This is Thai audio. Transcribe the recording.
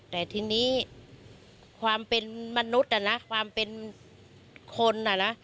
แต่ทีนี้ความเป็นมนุษย์นะความเป็นคนอ่ะนะ